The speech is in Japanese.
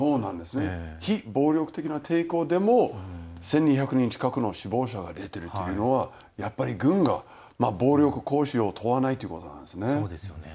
非暴力的な抵抗でも１２００人近くの死亡者が出てるというのはやっぱり軍が暴力行使を問わないということなんですね。